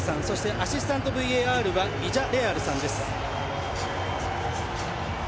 アシスタントＶＡＲはビジャレアルさんです。